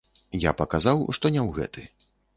Я паказаў, што не ў гэты.